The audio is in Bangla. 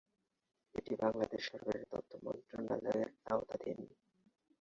এটি বাংলাদেশ সরকারের তথ্য মন্ত্রণালয়ের আওতাধীন।